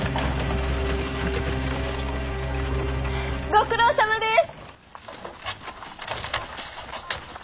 ご苦労さまです！